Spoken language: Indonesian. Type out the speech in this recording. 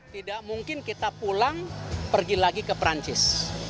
tidak mungkin kita pulang pergi lagi ke perancis